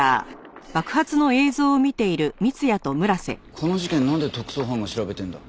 この事件なんで特捜班が調べてんだ？